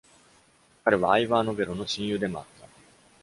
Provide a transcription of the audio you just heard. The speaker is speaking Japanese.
彼はアイヴァー・ノヴェロの親友でもあった。